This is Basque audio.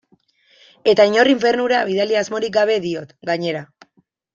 Eta inor infernura bidali asmorik gabe diot, gainera.